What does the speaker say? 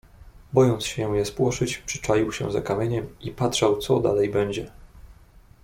"Bojąc się je spłoszyć, przyczaił się za kamieniem i patrzał co dalej będzie."